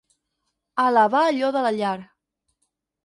Alabar allò de la llar.